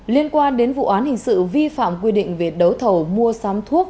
liên quan đến vụ án hình sự vi phạm quy định về đấu thầu mua sắm thuốc